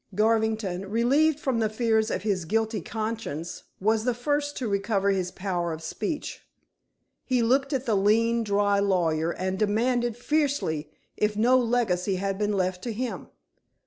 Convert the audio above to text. Garvington, relieved from the fears of his guilty conscience, was the first to recover his power of speech. He looked at the lean, dry lawyer, and demanded fiercely if no legacy had been left to him.